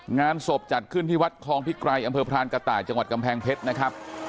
งานศพจัดขึ้นที่วัดคลองพิไกรอำเภอพรานกระต่ายจังหวัดกำแพงเพชรนะครับ